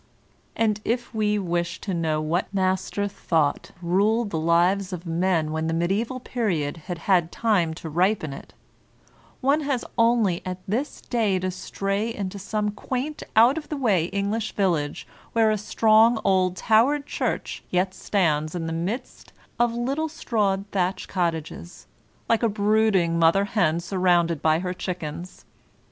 And if we wish to know what master thought ruled the lives of men when the mediaeval period had had time to ripen it, one has only at this day to stray into some qtiaint, out of the way English village, where a strong old towered Church yet stands in the midst of little straw thatched cottages, like a brooding mother hen sur rounded by her chickens.